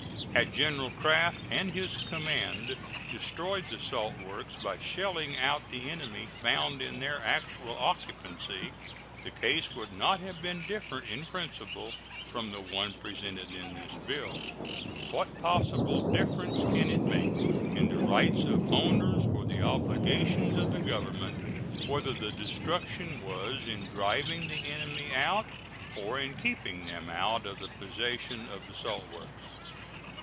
Had General Craft and his command destroyed the salt works by shelling out the enemy found in their actual occupancy, the case would not have been different in principle from the one presented in this bill. What possible difference can it make in the rights of owners or the obligations of the Government whether the destruction was in driving the enemy out or in keeping them out of the possession of the salt works?